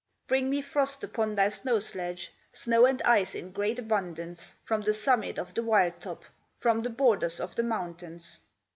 Bring me frost upon thy snow sledge, Snow and ice in great abundance, From the summit of the wild top, From the borders of the mountains.